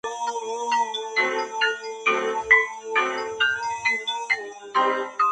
Junto al Almirante Brión y su hermano Fernando Díaz viaja para Guayana.